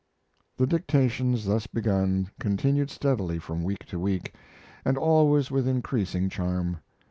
The dictations thus begun continued steadily from week to week, and always with increasing charm.